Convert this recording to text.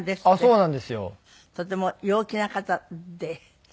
そうなんですよ。